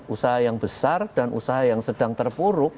usaha yang besar dan usaha yang sedang terpuruk